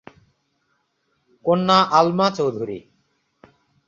কন্যা আলমা চৌধুরী।